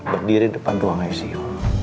berdiri depan ruang icu